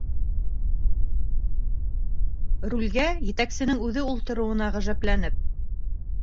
Рулгә етәксенең үҙе ултырыуына ғәжәпләнеп: